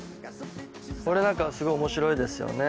これなんかすごい面白いですよね。